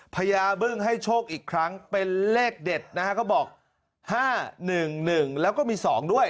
พญาบึ้งให้โชคอีกครั้งเป็นเลขเด็ดนะฮะเขาบอก๕๑๑แล้วก็มี๒ด้วย